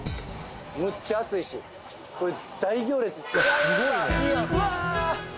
むっちゃ暑いしこれ大行列ですよすごいねうわー！